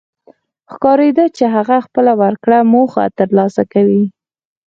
ښکارېده چې هغه خپله ورکړه موخه تر لاسه کوي.